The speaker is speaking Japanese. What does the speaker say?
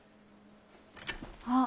あっ。